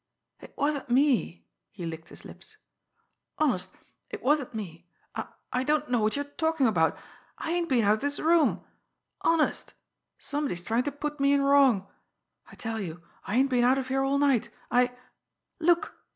"It wasn't me!" He licked his lips. "Honest, it wasn't me! I I don't know what you're talking about. I ain't been out of this room. Honest! Somebody's trying to put me in wrong. I tell you, I ain't been out of here all night. I look!"